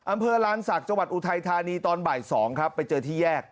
อำเภอลานศักดิ์จังหวัดอุทัยธานีตอนบ่าย๒ครับไปเจอที่แยก